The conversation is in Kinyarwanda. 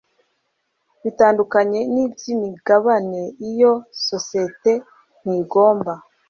bitandukanye by imigabane iyo sosiyete ntigomba